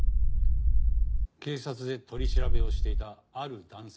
警察で取り調べをしていたある男性